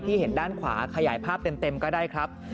เห็นด้านขวาขยายภาพเต็มก็ได้ครับ